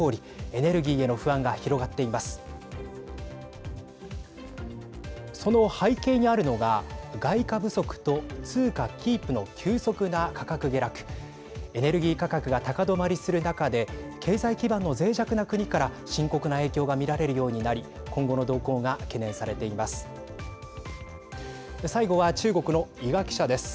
エネルギー価格が高止まりする中で経済基盤のぜい弱な国から深刻な影響が見られるようになり今後の動向が懸念されています。